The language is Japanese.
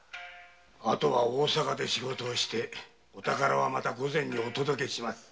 あとは大坂で仕事をしてお宝はまた御前にお届けします。